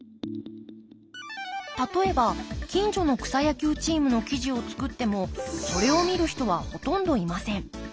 例えば近所の草野球チームの記事を作ってもそれを見る人はほとんどいません。